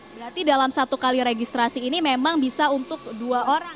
berarti dalam satu kali registrasi ini memang bisa untuk dua orang